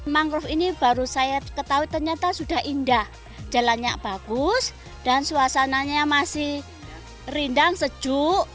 mangrove ini baru saya ketahui ternyata sudah indah jalannya bagus dan suasananya masih rindang sejuk